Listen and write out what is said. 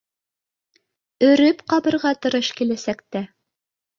— Өрөп ҡабырға тырыш киләсәктә